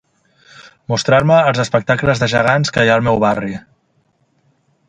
Mostrar-me els espectacles de gegants que hi ha al meu barri.